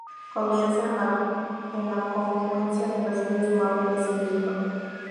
Comienza en la confluencia de los ríos Malo y Nacimiento.